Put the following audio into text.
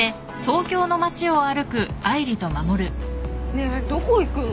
ねえどこ行くの？